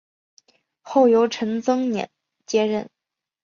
后由陈增稔接任。